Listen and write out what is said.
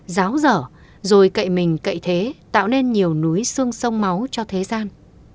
giáo dở rồi cậy mình cậy thế tạo nên nhiều núi xương sông máu cho thế gian